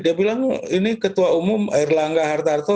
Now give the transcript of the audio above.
dia bilang ini ketua umum erlangga hartarto